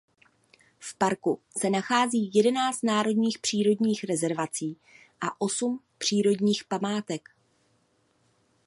V parku se nachází jedenáct národních přírodních rezervací a osm přírodních památek.